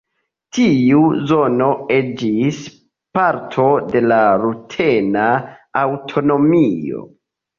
Tiu zono iĝis parto de la rutena aŭtonomio.